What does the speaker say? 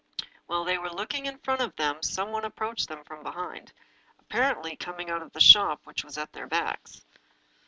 While they were looking in front of them some one approached them from behind, apparently coming out of the shop which was at their backs.